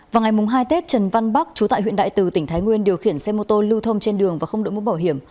vào ngày hai tết trần văn bắc chú tại huyện đại từ tỉnh thái nguyên điều khiển xe mô tô lưu thông trên đường và không đổi mũ bảo hiểm